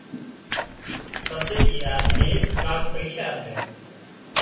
پسي اي آۮميئي ڪانڪ پئيشا آليا